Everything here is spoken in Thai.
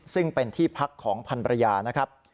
ซึ่งเป็นที่พักของพันรยานะครับ